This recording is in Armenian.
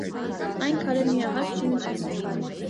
Այն քարե միահարկ շինություն էր։